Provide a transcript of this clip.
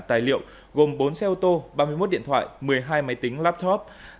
tài liệu gồm bốn xe ô tô ba mươi một điện thoại một mươi hai máy tính laptop